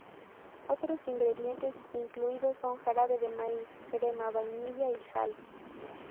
Otros ingredientes incluidos son jarabe de maíz, crema, vainilla y sal.